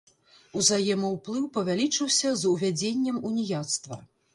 Узаемаўплыў павялічыўся з увядзеннем уніяцтва.